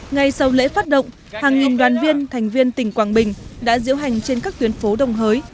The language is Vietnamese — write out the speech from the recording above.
ngay sau lễ phát động hàng nghìn đoàn viên thành viên tỉnh quảng bình đã diễu hành trên các tuyến phố đồng hới